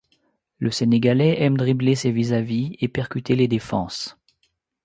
Le sénégalais aime dribbler ses vis à vis et percuter les défenses.